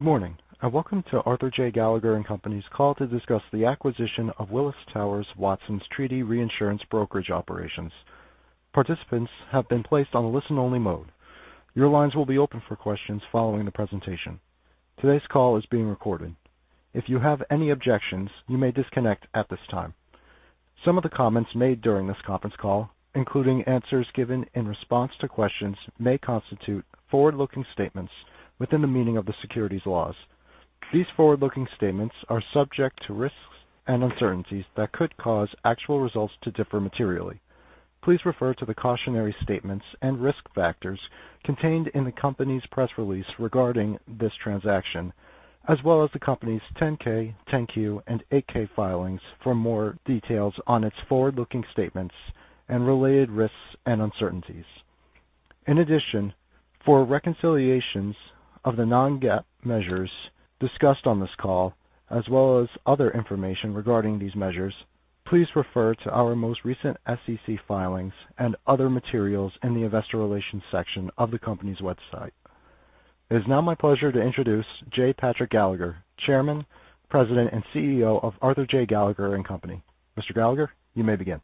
Good morning and welcome to Arthur J. Gallagher & Company's call to discuss the acquisition of Willis Towers Watson's Treaty Reinsurance brokerage operations. Participants have been placed on a listen-only mode. Your lines will be open for questions following the presentation. Today's call is being recorded. If you have any objections, you may disconnect at this time. Some of the comments made during this conference call, including answers given in response to questions, may constitute forward-looking statements within the meaning of the securities laws. These forward-looking statements are subject to risks and uncertainties that could cause actual results to differ materially. Please refer to the cautionary statements and risk factors contained in the company's press release regarding this transaction, as well as the company's 10-K, 10-Q, and 8-K filings for more details on its forward-looking statements and related risks and uncertainties. In addition, for reconciliations of the non-GAAP measures discussed on this call, as well as other information regarding these measures, please refer to our most recent SEC filings and other materials in the investor relations section of the company's website. It is now my pleasure to introduce J. Patrick Gallagher, Chairman, President, and CEO of Arthur J. Gallagher & Co. Mr. Gallagher, you may begin.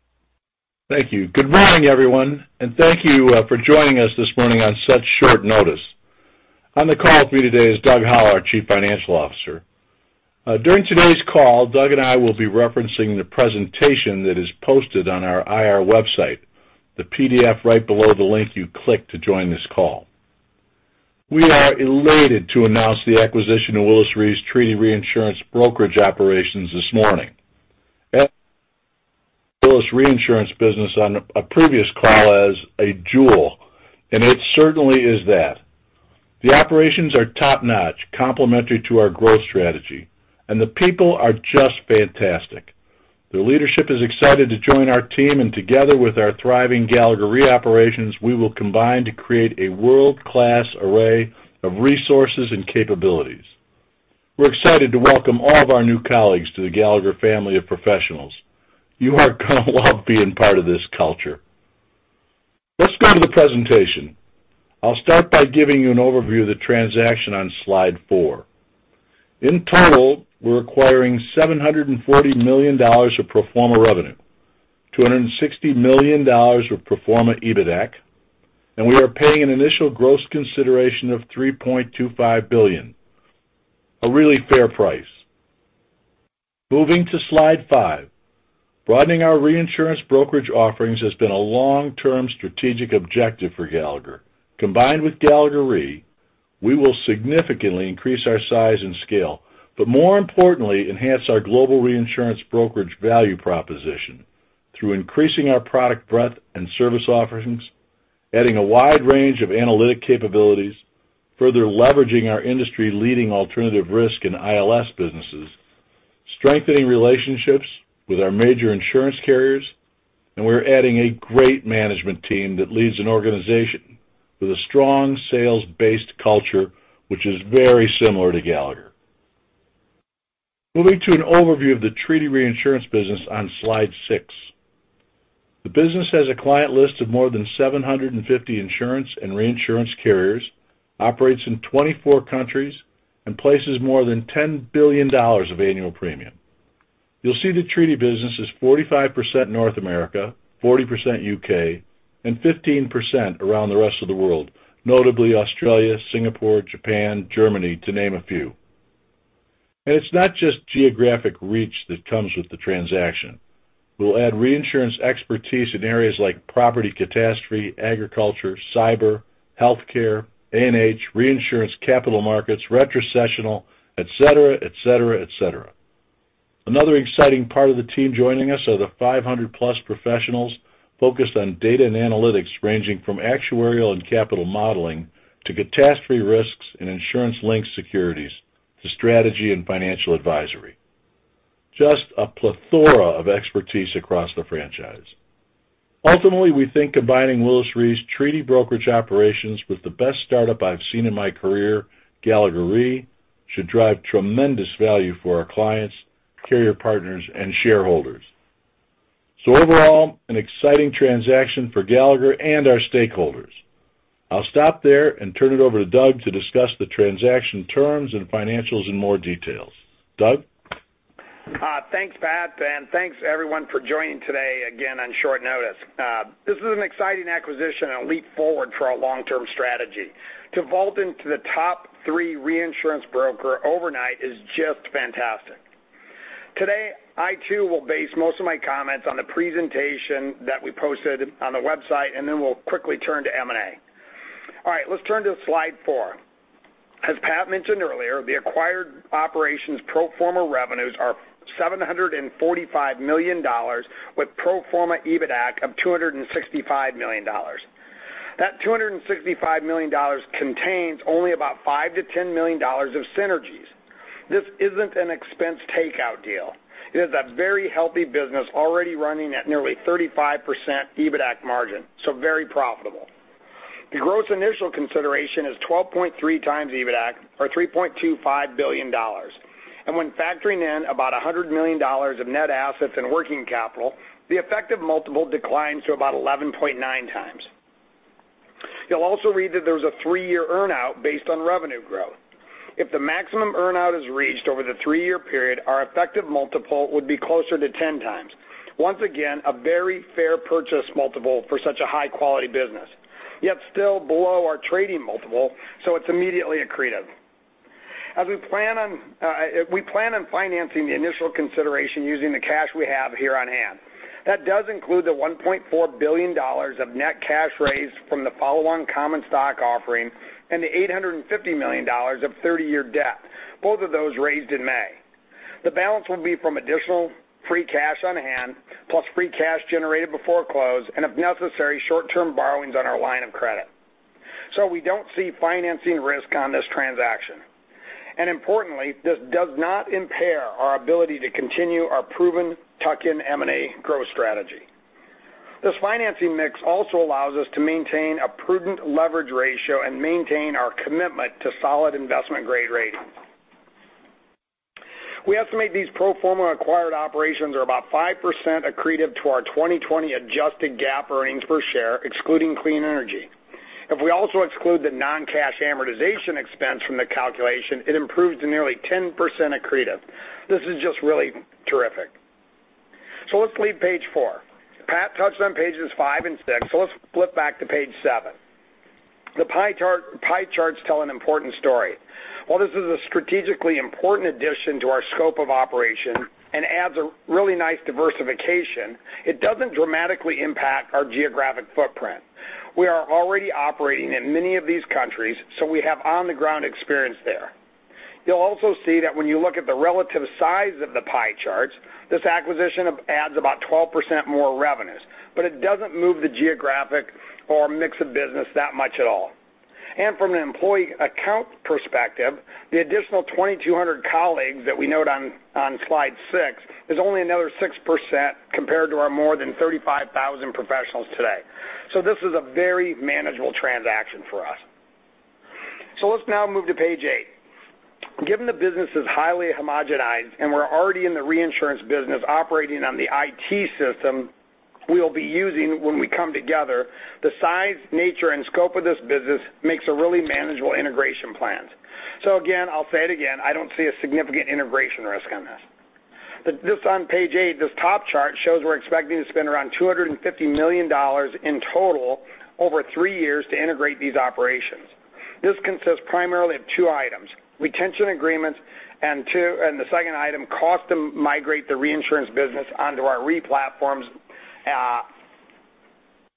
Thank you. Good morning, everyone, and thank you for joining us this morning on such short notice. On the call with me today is Doug Howell, our Chief Financial Officer. During today's call, Doug and I will be referencing the presentation that is posted on our IR website, the PDF right below the link you clicked to join this call. We are elated to announce the acquisition of Willis Towers Watson's treaty reinsurance brokerage operations this morning. We described the Willis Reinsurance business on a previous call as a jewel, and it certainly is that. The operations are top-notch, complementary to our growth strategy, and the people are just fantastic. The leadership is excited to join our team, and together with our thriving Gallagher Re operations, we will combine to create a world-class array of resources and capabilities. We're excited to welcome all of our new colleagues to the Gallagher family of professionals. You are going to love being part of this culture. Let's go to the presentation. I'll start by giving you an overview of the transaction on slide four. In total, we're acquiring $740 million of pro forma revenue, $260 million of pro forma EBITDA, and we are paying an initial gross consideration of $3.25 billion, a really fair price. Moving to slide five, broadening our reinsurance brokerage offerings has been a long-term strategic objective for Gallagher. Combined with Gallagher Re, we will significantly increase our size and scale, but more importantly, enhance our global reinsurance brokerage value proposition through increasing our product breadth and service offerings, adding a wide range of analytic capabilities, further leveraging our industry-leading alternative risk and ILS businesses, strengthening relationships with our major insurance carriers, and we're adding a great management team that leads an organization with a strong sales-based culture, which is very similar to Gallagher. Moving to an overview of the Treaty Reinsurance business on slide six. The business has a client list of more than 750 insurance and reinsurance carriers, operates in 24 countries, and places more than $10 billion of annual premium. You'll see the Treaty business is 45% North America, 40% U.K., and 15% around the rest of the world, notably Australia, Singapore, Japan, Germany, to name a few. It is not just geographic reach that comes with the transaction. We will add reinsurance expertise in areas like property catastrophe, agriculture, cyber, healthcare, A&H, reinsurance capital markets, retrocessional, etc., etc., etc. Another exciting part of the team joining us are the 500-plus professionals focused on data and analytics ranging from actuarial and capital modeling to catastrophe risks and insurance-linked securities to strategy and financial advisory. Just a plethora of expertise across the franchise. Ultimately, we think combining Willis Re's treaty brokerage operations with the best startup I have seen in my career, Gallagher Re, should drive tremendous value for our clients, carrier partners, and shareholders. Overall, an exciting transaction for Gallagher and our stakeholders. I will stop there and turn it over to Doug to discuss the transaction terms and financials in more detail. Doug? Thanks, Pat, and thanks everyone for joining today again on short notice. This is an exciting acquisition and a leap forward for our long-term strategy. To vault into the top three reinsurance broker overnight is just fantastic. Today, I too will base most of my comments on the presentation that we posted on the website, and then we'll quickly turn to M&A. All right, let's turn to slide four. As Pat mentioned earlier, the acquired operations' pro forma revenues are $745 million with pro forma EBITDA of $265 million. That $265 million contains only about $5-$10 million of synergies. This isn't an expense takeout deal. It is a very healthy business already running at nearly 35% EBITDA margin, so very profitable. The gross initial consideration is 12.3 times EBITDA or $3.25 billion. When factoring in about $100 million of net assets and working capital, the effective multiple declines to about 11.9 times. You'll also read that there's a three-year earnout based on revenue growth. If the maximum earnout is reached over the three-year period, our effective multiple would be closer to 10 times. Once again, a very fair purchase multiple for such a high-quality business, yet still below our trading multiple, so it's immediately accretive. As we plan on financing the initial consideration using the cash we have here on hand, that does include the $1.4 billion of net cash raised from the follow-on common stock offering and the $850 million of 30-year debt, both of those raised in May. The balance will be from additional free cash on hand plus free cash generated before close and, if necessary, short-term borrowings on our line of credit. We don't see financing risk on this transaction. Importantly, this does not impair our ability to continue our proven tuck-in M&A growth strategy. This financing mix also allows us to maintain a prudent leverage ratio and maintain our commitment to solid investment-grade ratings. We estimate these pro forma acquired operations are about 5% accretive to our 2020 adjusted GAAP earnings per share, excluding clean energy. If we also exclude the non-cash amortization expense from the calculation, it improves to nearly 10% accretive. This is just really terrific. Let's leave page four. Pat touched on pages five and six, so let's flip back to page seven. The pie charts tell an important story. While this is a strategically important addition to our scope of operation and adds a really nice diversification, it doesn't dramatically impact our geographic footprint. We are already operating in many of these countries, so we have on-the-ground experience there. You'll also see that when you look at the relative size of the pie charts, this acquisition adds about 12% more revenues, but it doesn't move the geographic or mix of business that much at all. From an employee account perspective, the additional 2,200 colleagues that we note on slide six is only another 6% compared to our more than 35,000 professionals today. This is a very manageable transaction for us. Let's now move to page eight. Given the business is highly homogenized and we're already in the reinsurance business operating on the IT system we'll be using when we come together, the size, nature, and scope of this business makes a really manageable integration plan. I'll say it again, I don't see a significant integration risk on this. This on page eight, this top chart shows we're expecting to spend around $250 million in total over three years to integrate these operations. This consists primarily of two items: retention agreements and the second item, cost to migrate the reinsurance business onto our re-platforms,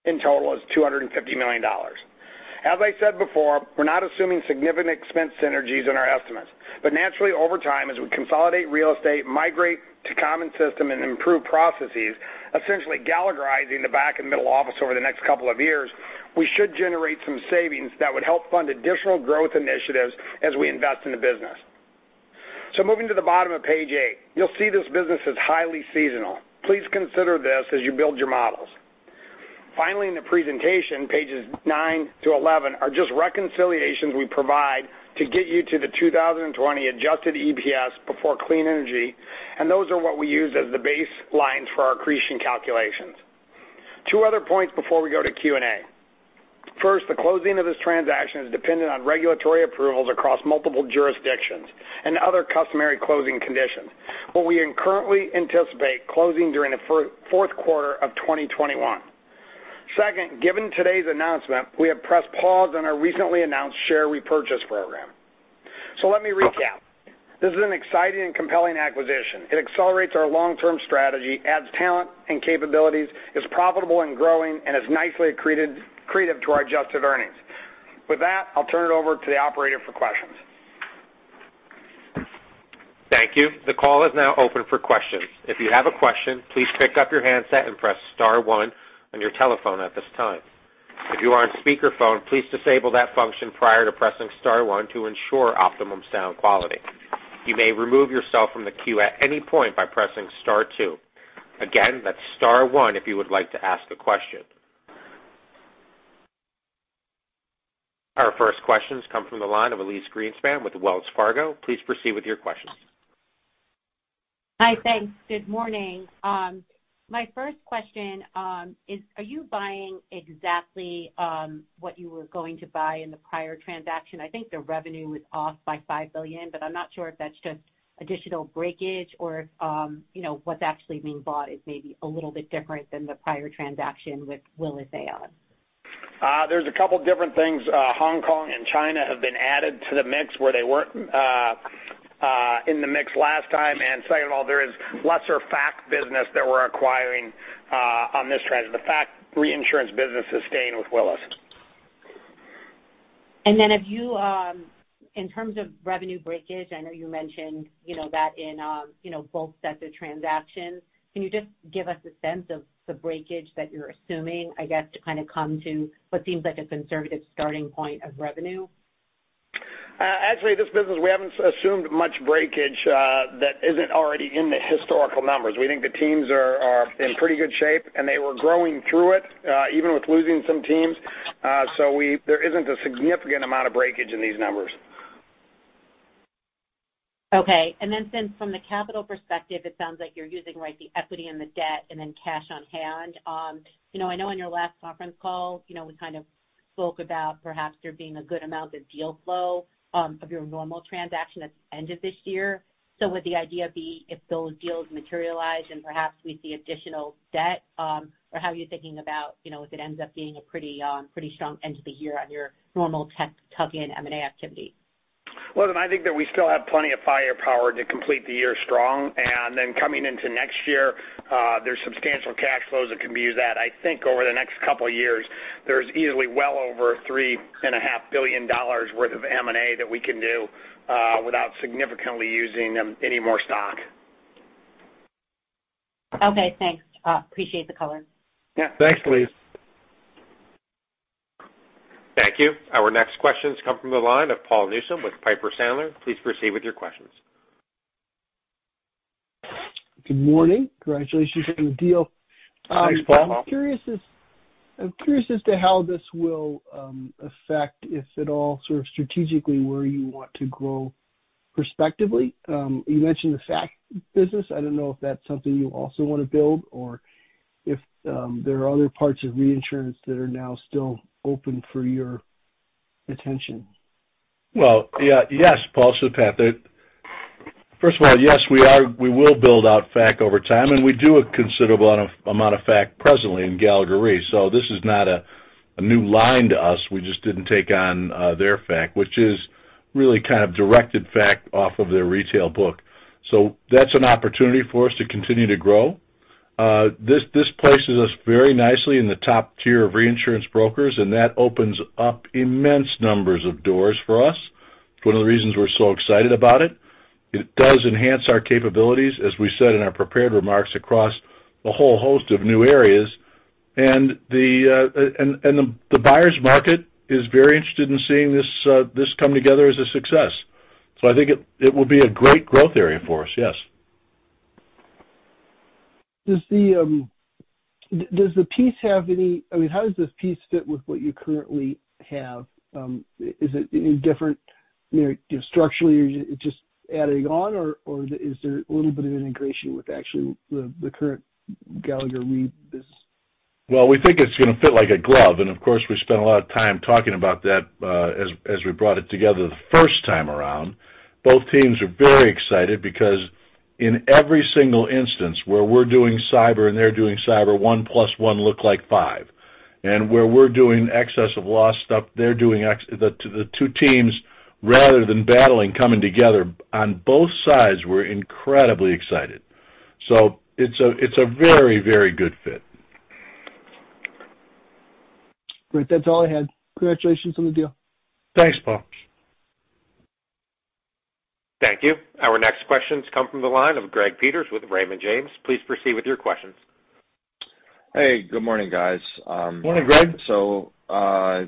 in total is $250 million. As I said before, we're not assuming significant expense synergies in our estimates, but naturally, over time, as we consolidate real estate, migrate to common system, and improve processes, essentially Gallagherizing the back and middle office over the next couple of years, we should generate some savings that would help fund additional growth initiatives as we invest in the business. Moving to the bottom of page eight, you'll see this business is highly seasonal. Please consider this as you build your models. Finally, in the presentation, pages nine to eleven are just reconciliations we provide to get you to the 2020 adjusted EPS before clean energy, and those are what we use as the baselines for our accretion calculations. Two other points before we go to Q&A. First, the closing of this transaction is dependent on regulatory approvals across multiple jurisdictions and other customary closing conditions, but we currently anticipate closing during the fourth quarter of 2021. Second, given today's announcement, we have pressed pause on our recently announced share repurchase program. Let me recap. This is an exciting and compelling acquisition. It accelerates our long-term strategy, adds talent and capabilities, is profitable and growing, and is nicely accretive to our adjusted earnings. With that, I'll turn it over to the operator for questions. Thank you. The call is now open for questions. If you have a question, please pick up your handset and press star one on your telephone at this time. If you are on speakerphone, please disable that function prior to pressing star one to ensure optimum sound quality. You may remove yourself from the queue at any point by pressing star two. Again, that's star one if you would like to ask a question. Our first questions come from the line of Elise Greenspan with Wells Fargo. Please proceed with your questions. Hi, thanks. Good morning. My first question is, are you buying exactly what you were going to buy in the prior transaction? I think the revenue was off by $5 billion, but I'm not sure if that's just additional breakage or if what's actually being bought is maybe a little bit different than the prior transaction with Willis AR. There's a couple of different things. Hong Kong and China have been added to the mix where they weren't in the mix last time. Second of all, there is lesser FAC business that we're acquiring on this transaction. The FAC reinsurance business is staying with Willis. In terms of revenue breakage, I know you mentioned that in both sets of transactions. Can you just give us a sense of the breakage that you're assuming, to come to what seems like a conservative starting point of revenue? Actually, this business, we haven't assumed much breakage that isn't already in the historical numbers. We think the teams are in pretty good shape, and they were growing through it, even with losing some teams. There isn't a significant amount of breakage in these numbers. Okay. From the capital perspective, it sounds like you're using, right, the equity and the debt and then cash on hand. I know on your last conference call, we spoke about perhaps there being a good amount of deal flow of your normal transaction at the end of this year. Would the idea be if those deals materialize and perhaps we see additional debt, or how are you thinking about if it ends up being a pretty strong end of the year on your normal tuck-in M&A activity? I think that we still have plenty of firepower to complete the year strong. Then coming into next year, there's substantial cash flows that can be used at. I think over the next couple of years, there's easily well over $3.5 billion worth of M&A that we can do without significantly using any more stock. Okay, thanks. Appreciate the color. Yeah. Thank you. Our next questions come from the line of Paul Newsome with Piper Sandler. Please proceed with your questions. Good morning. Congratulations on the deal. Thanks, Paul. I'm curious as to how this will affect, if at all, strategically where you want to grow prospectively. You mentioned the FAC business. I don't know if that's something you also want to build or if there are other parts of reinsurance that are now still open for your attention. Yes, Paul, Sue Peth. First of all, yes, we will build out FAC over time, and we do a considerable amount of FAC presently in Gallagher Re. This is not a new line to us. We just did not take on their FAC, which is really directed FAC off of their retail book. That is an opportunity for us to continue to grow. This places us very nicely in the top tier of reinsurance brokers, and that opens up immense numbers of doors for us. It is one of the reasons we are so excited about it. It does enhance our capabilities, as we said in our prepared remarks, across a whole host of new areas. The buyer's market is very interested in seeing this come together as a success. I think it will be a great growth area for us, yes. Does the piece have any, how does this piece fit with what you currently have? Is it different structurally or just adding on, or is there a little bit of integration with actually the current Gallagher Re business? We think it's going to fit like a glove. Of course, we spent a lot of time talking about that as we brought it together the first time around. Both teams are very excited because in every single instance where we're doing cyber and they're doing cyber, one plus one looked like five. Where we're doing excessive loss stuff, they're doing the two teams, rather than battling, coming together on both sides, we're incredibly excited. It is a very, very good fit. Great. That's all I had. Congratulations on the deal. Thanks, Paul. Thank you. Our next questions come from the line of Greg Peters with Raymond James. Please proceed with your questions. Hey, good morning, guys. Morning, Greg. I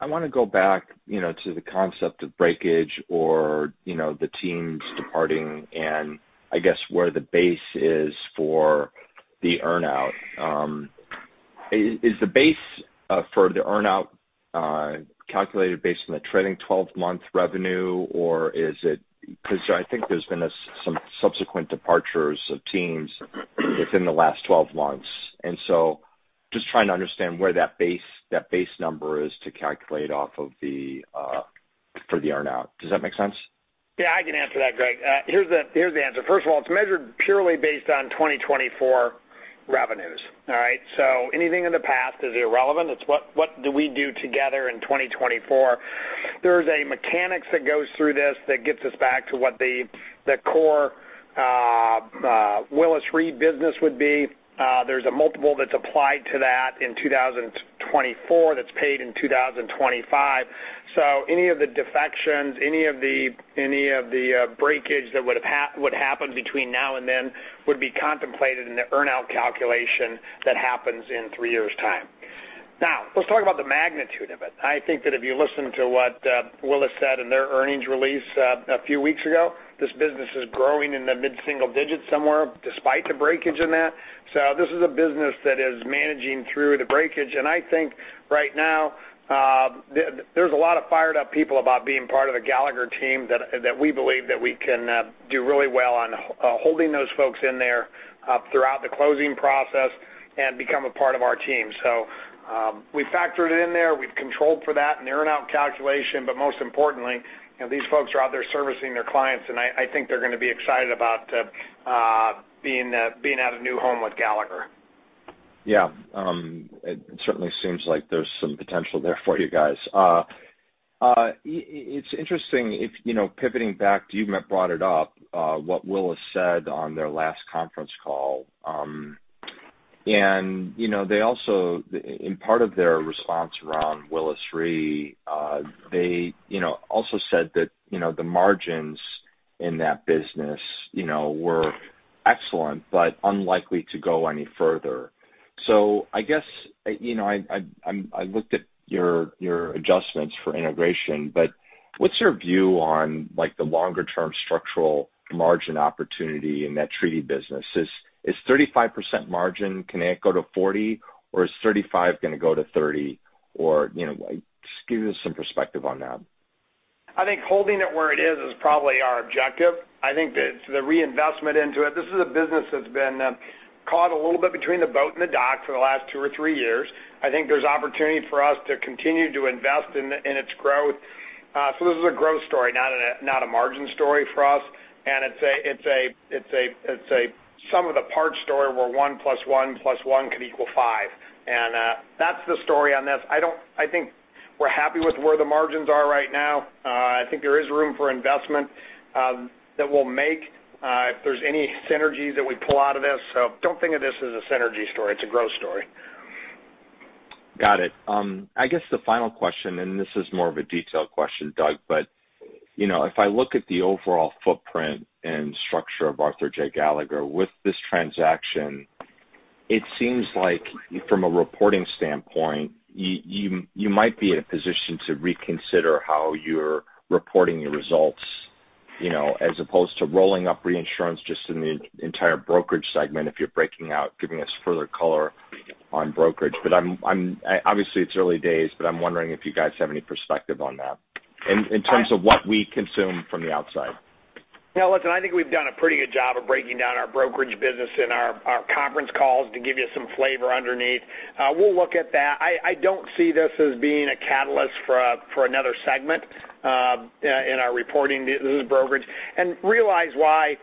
want to go back to the concept of breakage or the teams departing and, where the base is for the earnout. Is the base for the earnout calculated based on the trading 12-month revenue, or is it—because I think there's been some subsequent departures of teams within the last 12 months. Just trying to understand where that base number is to calculate off of the earnout. Does that make sense? Yeah, I can answer that, Greg. Here's the answer. First of all, it's measured purely based on 2024 revenues, all right? So anything in the past is irrelevant. It's what do we do together in 2024. There is a mechanics that goes through this that gets us back to what the core Willis Re business would be. There's a multiple that's applied to that in 2024 that's paid in 2025. Any of the defections, any of the breakage that would happen between now and then would be contemplated in the earnout calculation that happens in three years' time. Now, let's talk about the magnitude of it. I think that if you listen to what Willis said in their earnings release a few weeks ago, this business is growing in the mid-single digits somewhere despite the breakage in that. This is a business that is managing through the breakage. I think right now there's a lot of fired-up people about being part of the Gallagher team that we believe that we can do really well on holding those folks in there throughout the closing process and become a part of our team. We have factored it in there. We have controlled for that in the earnout calculation. Most importantly, these folks are out there servicing their clients, and I think they're going to be excited about being at a new home with Gallagher. Yeah. It certainly seems like there's some potential there for you guys. It's interesting, pivoting back to you brought it up, what Willis said on their last conference call. They also, in part of their response around Willis Re, said that the margins in that business were excellent but unlikely to go any further. I looked at your adjustments for integration, but what's your view on the longer-term structural margin opportunity in that treaty business? Is 35% margin—can it go to 40%? Is 35% going to go to 30%? Just give us some perspective on that. I think holding it where it is is probably our objective. I think that the reinvestment into it—this is a business that's been caught a little bit between the boat and the dock for the last two or three years. I think there's opportunity for us to continue to invest in its growth. This is a growth story, not a margin story for us. It's a sum of the parts story where one plus one plus one can equal five. That's the story on this. I think we're happy with where the margins are right now. I think there is room for investment that will make if there's any synergies that we pull out of this. Do not think of this as a synergy story. It's a growth story. Got it. the final question this is more of a detailed question, Doug but if I look at the overall footprint and structure of Arthur J. Gallagher with this transaction, it seems like from a reporting standpoint, you might be in a position to reconsider how you're reporting your results as opposed to rolling up reinsurance just in the entire brokerage segment if you're breaking out, giving us further color on brokerage. Obviously, it's early days, but I'm wondering if you guys have any perspective on that in terms of what we consume from the outside. Yeah, listen, I think we've done a pretty good job of breaking down our brokerage business in our conference calls to give you some flavor underneath. We'll look at that. I don't see this as being a catalyst for another segment in our reporting business brokerage. Realize why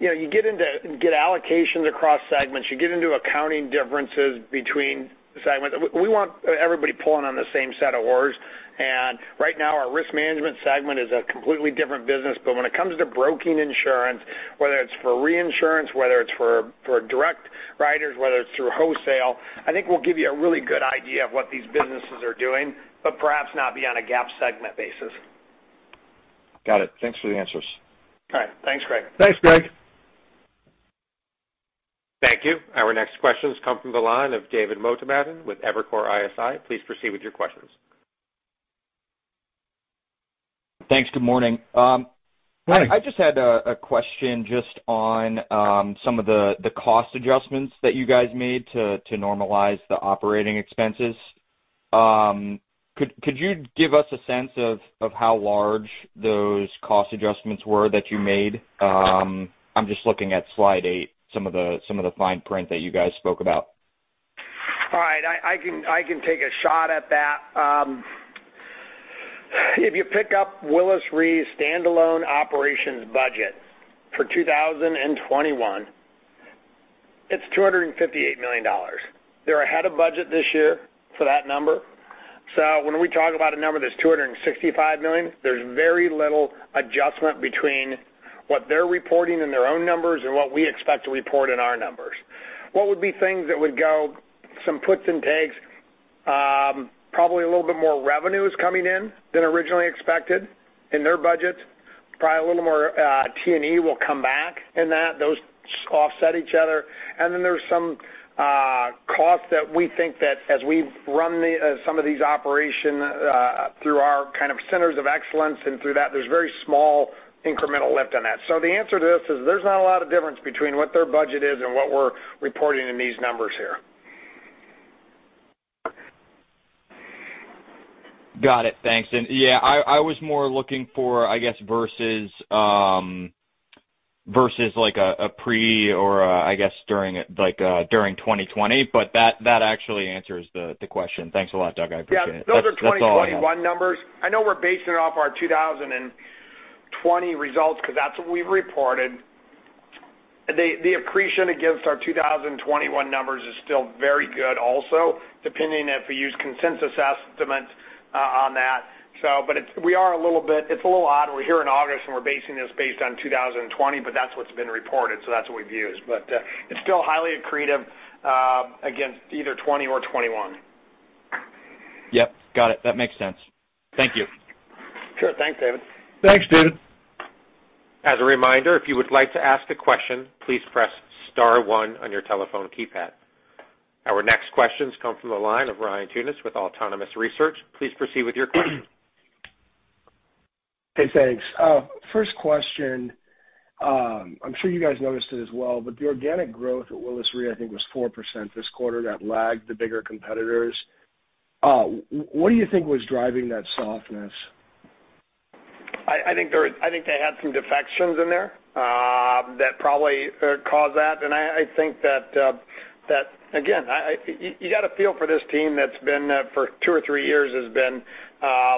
you get allocations across segments. You get into accounting differences between segments. We want everybody pulling on the same set of oars. Right now, our risk management segment is a completely different business. When it comes to broking insurance, whether it's for reinsurance, whether it's for direct writers, whether it's through wholesale, I think we'll give you a really good idea of what these businesses are doing, but perhaps not be on a GAAP segment basis. Got it. Thanks for the answers. All right. Thanks, Greg. Thanks, Greg. Thank you. Our next questions come from the line of David Motomura with Evercore ISI. Please proceed with your questions. Thanks. Good morning. I just had a question just on some of the cost adjustments that you guys made to normalize the operating expenses. Could you give us a sense of how large those cost adjustments were that you made? I'm just looking at slide eight, some of the fine print that you guys spoke about. All right. I can take a shot at that. If you pick up Willis Re standalone operations budget for 2021, it's $258 million. They're ahead of budget this year for that number. When we talk about a number that's $265 million, there's very little adjustment between what they're reporting in their own numbers and what we expect to report in our numbers. What would be things that would go some puts and takes, probably a little bit more revenues coming in than originally expected in their budget, probably a little more T&E will come back in that. Those offset each other. There are some cost that we think that as we run some of these operations through our centers of excellence and through that, there's very small incremental lift on that. The answer to this is there's not a lot of difference between what their budget is and what we're reporting in these numbers here. Got it. Thanks. Yeah, I was more looking for, versus a pre or, during 2020. That actually answers the question. Thanks a lot, Doug. I appreciate it. Yeah. Those are 2021 numbers. I know we're basing it off our 2020 results because that's what we reported. The accretion against our 2021 numbers is still very good also, depending if we use consensus estimates on that. We are a little bit—it's a little odd. We're here in August, and we're basing this based on 2020, but that's what's been reported. That's what we've used. It's still highly accretive against either 2020 or 2021. Yep. Got it. That makes sense. Thank you. Sure. Thanks, David. Thanks, David. As a reminder, if you would like to ask a question, please press star one on your telephone keypad. Our next questions come from the line of Ryan Tunis with Autonomous Research. Please proceed with your question. Hey, thanks. First question. I'm sure you guys noticed it as well, but the organic growth at Willis Re, I think, was 4% this quarter that lagged the bigger competitors. What do you think was driving that softness? I think they had some defections in there that probably caused that. I think that, again, you got a feel for this team that's been for two or three years has been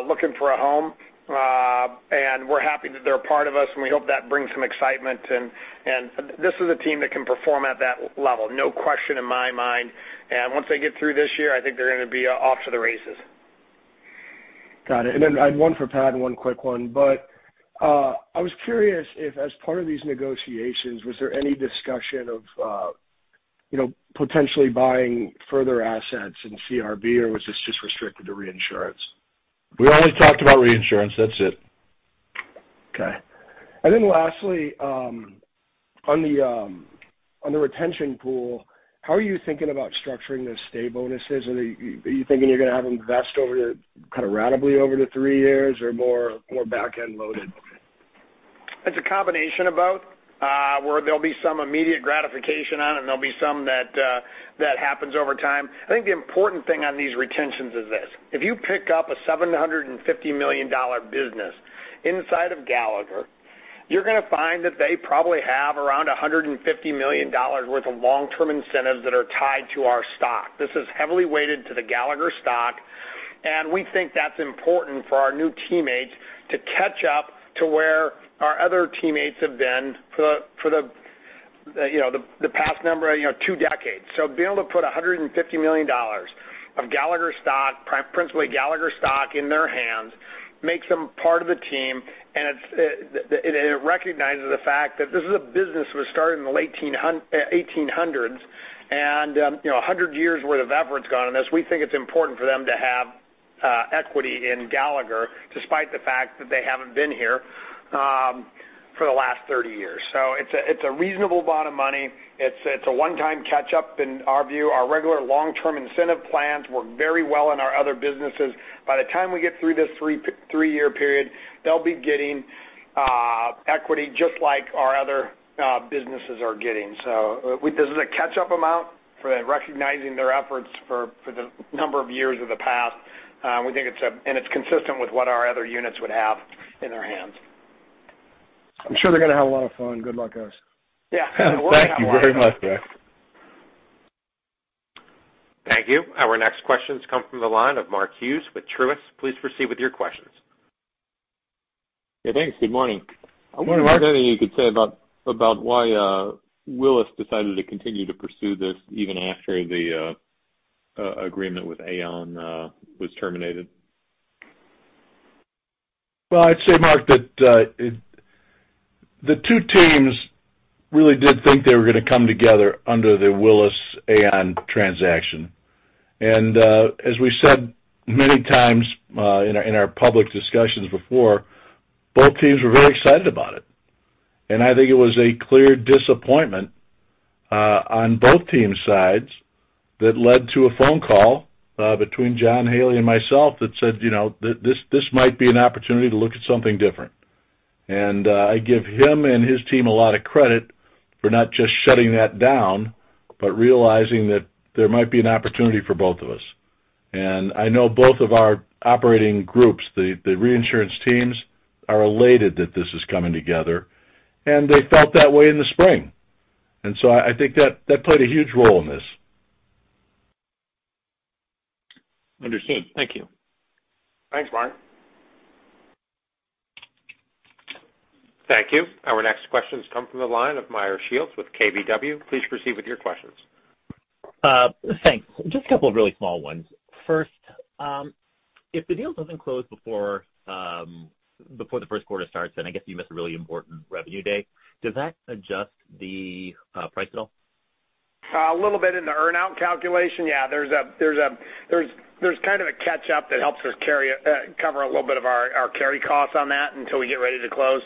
looking for a home. We're happy that they're a part of us, and we hope that brings some excitement. This is a team that can perform at that level. No question in my mind. Once they get through this year, I think they're going to be off to the races. Got it. I had one for Pat and one quick one. I was curious if, as part of these negotiations, was there any discussion of potentially buying further assets in CRB, or was this just restricted to reinsurance? We only talked about reinsurance. That's it. Okay. Lastly, on the retention pool, how are you thinking about structuring those stay bonuses? Are you thinking you're going to have them vest randomly over the three years or more back-end loaded? It's a combination of both, where there'll be some immediate gratification on it, and there'll be some that happens over time. I think the important thing on these retentions is this. If you pick up a $750 million business inside of Gallagher, you're going to find that they probably have around $150 million worth of long-term incentives that are tied to our stock. This is heavily weighted to the Gallagher stock. I think that's important for our new teammates to catch up to where our other teammates have been for the past number of two decades. Being able to put $150 million of Gallagher stock, principally Gallagher stock, in their hands makes them part of the team. It recognizes the fact that this is a business that was started in the late 1800s. One hundred years' worth of effort's gone in this. We think it's important for them to have equity in Gallagher despite the fact that they haven't been here for the last 30 years. It's a reasonable amount of money. It's a one-time catch-up in our view. Our regular long-term incentive plans work very well in our other businesses. By the time we get through this three-year period, they'll be getting equity just like our other businesses are getting. This is a catch-up amount for recognizing their efforts for the number of years of the past. We think it's a—and it's consistent with what our other units would have in their hands. I'm sure they're going to have a lot of fun. Good luck, guys. Yeah. Thank you very much, Greg. Thank you. Our next questions come from the line of Mark Hughes with Truist. Please proceed with your questions. Yeah, thanks. Good morning. Good morning, Mark. Is there anything you could say about why Willis decided to continue to pursue this even after the agreement with Aon was terminated? I’d say, Mark, that the two teams really did think they were going to come together under the Willis-Aon transaction. As we said many times in our public discussions before, both teams were very excited about it. I think it was a clear disappointment on both teams' sides that led to a phone call between John Haley and myself that said, "This might be an opportunity to look at something different." I give him and his team a lot of credit for not just shutting that down, but realizing that there might be an opportunity for both of us. I know both of our operating groups, the reinsurance teams, are elated that this is coming together. They felt that way in the spring. I think that played a huge role in this. Understood. Thank you. Thanks, Mark. Thank you. Our next questions come from the line of Meyer Shields with KBW. Please proceed with your questions. Thanks. Just a couple of really small ones. First, if the deal doesn't close before the first quarter starts, and you miss a really important revenue date, does that adjust the price at all? A little bit in the earnout calculation. Yeah. There's a catch-up that helps us cover a little bit of our carry costs on that until we get ready to close.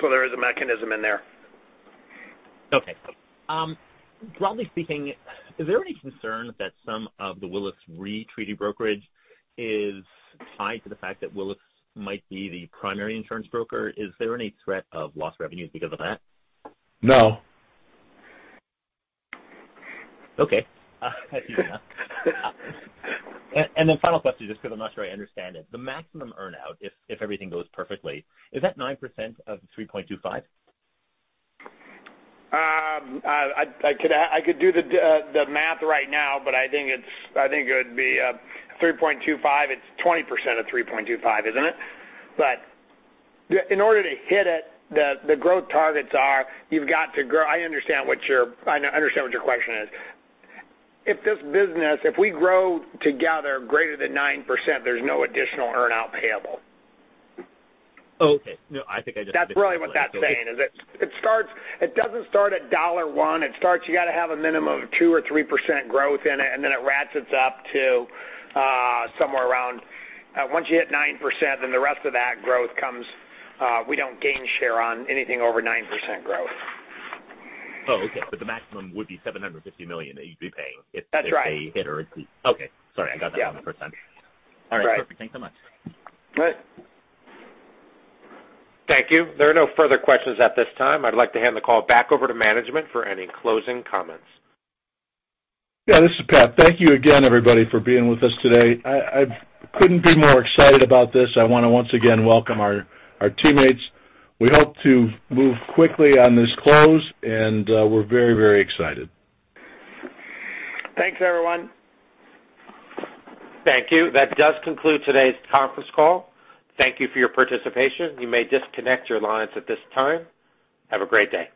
There is a mechanism in there. Okay. Broadly speaking, is there any concern that some of the Willis Re treaty brokerage is tied to the fact that Willis might be the primary insurance broker? Is there any threat of lost revenues because of that? No. Okay. That's easy enough. Final question just because I'm not sure I understand it. The maximum earnout, if everything goes perfectly, is that 9% of 3.25? I could do the math right now, but I think it would be 3.25. It's 20% of 3.25, isn't it? In order to hit it, the growth targets are you've got to grow—I understand what your question is. If this business, if we grow together greater than 9%, there's no additional earnout payable. Oh, okay. No, I think I just. That's really what that's saying. It doesn't start at $1. It starts—you got to have a minimum of 2% or 3% growth in it, and then it ratchets up to somewhere around once you hit 9%, then the rest of that growth comes—we don't gain share on anything over 9% growth. Oh, okay. The maximum would be $750 million that you'd be paying if they hit or exceed? That's right. Okay. Sorry. I got that wrong the first time. All right. Perfect. Thanks so much. All right. Thank you. There are no further questions at this time. I'd like to hand the call back over to management for any closing comments. Yeah. This is Pat. Thank you again, everybody, for being with us today. I could not be more excited about this. I want to once again welcome our teammates. We hope to move quickly on this close, and we are very, very excited. Thanks, everyone. Thank you. That does conclude today's conference call. Thank you for your participation. You may disconnect your lines at this time. Have a great day.